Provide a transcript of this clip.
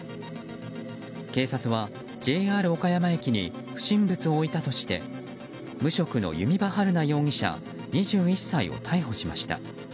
警察は、ＪＲ岡山駅に不審物を置いたとして無職の弓場晴菜容疑者２１歳を逮捕しました。